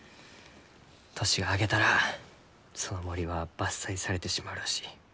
年が明けたらその森は伐採されてしまうらしい。